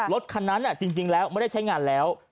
รถคันนั้นจริงแล้วไม่ได้ใช้งานแล้ว